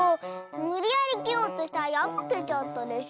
むりやりきようとしたらやぶけちゃったでしょ！